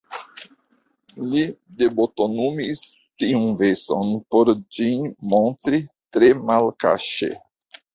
Li debutonumis tiun veston, por ĝin montri tre malkaŝe.